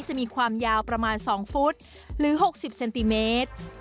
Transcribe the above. จะมีความยาวประมาณ๒ฟุตหรือ๖๐เซนติเมตร